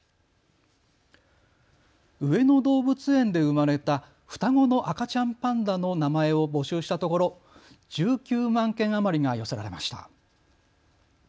上野動物園で生まれた双子の赤ちゃんパンダの名前を募集したところ１９万件余りが寄せられました。